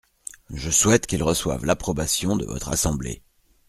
Je souhaite qu’il reçoive l’approbation de votre assemblée.